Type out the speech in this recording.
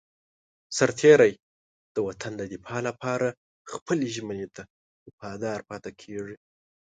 سرتېری د وطن د دفاع لپاره خپلې ژمنې ته وفادار پاتې کېږي.